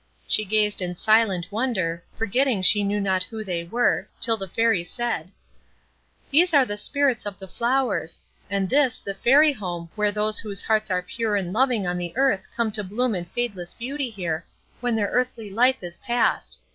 She gazed in silent wonder, forgetting she knew not who they were, till the Fairy said,— "These are the spirits of the flowers, and this the Fairy Home where those whose hearts were pure and loving on the earth come to bloom in fadeless beauty here, when their earthly life is past.